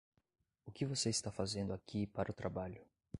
O que você está fazendo aqui para o trabalho?